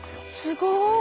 すごい。